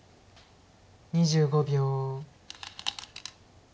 ２５秒。